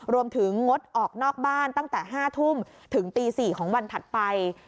งดออกนอกบ้านตั้งแต่๕ทุ่มถึงตี๔ของวันถัดไป